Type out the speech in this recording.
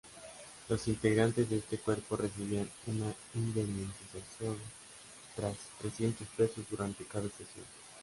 Los integrantes de este cuerpo recibían una indemnización de trescientos pesos durante cada sesión.